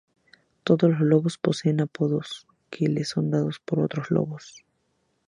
Todos los lobos poseen apodos que les son dados por otros lobos.